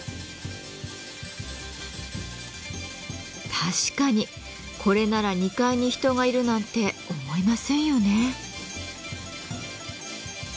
確かにこれなら２階に人がいるなんて思いませんよね。